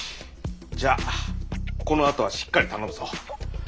じゃこのあとはしっかり頼むぞ。